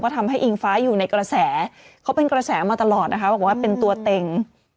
ทำให้อิงฟ้าอยู่ในกระแสเขาเป็นกระแสมาตลอดนะคะบอกว่าเป็นตัวเต็ง